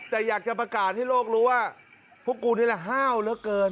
แต่อยากจะประกาศให้โลกรู้ว่าพวกกูนี่แหละห้าวเหลือเกิน